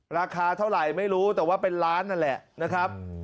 ราคาเท่าไหร่ไม่รู้แต่ว่าเป็นล้านนั่นแหละนะครับ